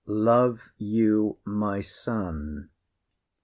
Love you my son?